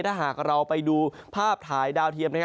ถ้าหากเราไปดูภาพถ่ายดาวเทียม